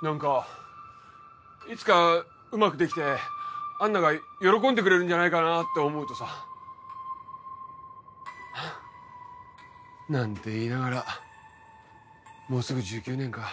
何かいつかうまく出来てアンナが喜んでくれるんじゃないかなって思うとさ。なんて言いながらもうすぐ１９年か。